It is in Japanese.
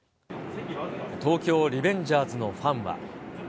東京リベンジャーズのファンは。